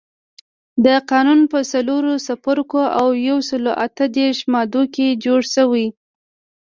دا قانون په څلورو څپرکو او یو سلو اته دیرش مادو کې جوړ شوی.